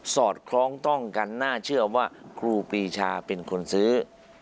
อดคล้องต้องกันน่าเชื่อว่าครูปีชาเป็นคนซื้อ